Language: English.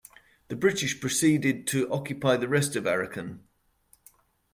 The British proceeded to occupy the rest of Arakan.